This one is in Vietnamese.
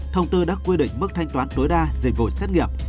thông tư đã quy định mức thanh toán tối đa dịch vụ xét nghiệm